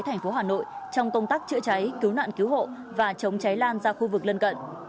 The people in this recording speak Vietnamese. thành phố hà nội trong công tác chữa cháy cứu nạn cứu hộ và chống cháy lan ra khu vực lân cận